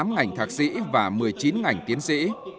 bốn mươi tám ngành thạc sĩ và một mươi chín ngành tiến sĩ